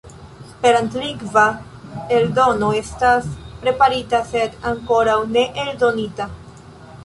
Esperantlingva eldono estas preparita, sed ankoraŭ ne eldonita.